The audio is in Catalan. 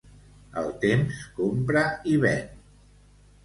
El temps compra i ven.